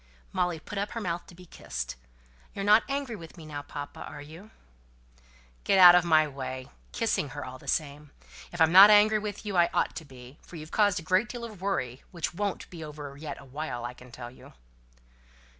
Molly put up her mouth to be kissed. "You're not angry with me now, papa, are you?" "Get out of my way" (kissing her all the same). "If I'm not angry with you, I ought to be; for you've caused a great deal of worry, which won't be over yet awhile, I can tell you."